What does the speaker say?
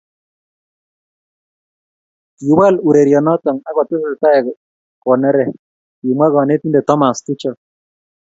Kiwal urerieonoto ako tesetai konere, kimwa konetinte Thomas Tuchel.